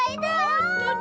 ほんとね。